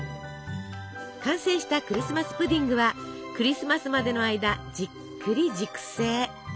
完成したクリスマス・プディングはクリスマスまでの間じっくり熟成。